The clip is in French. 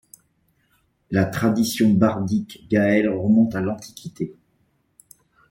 La tradition bardique gaëlle remonte à l'antiquité.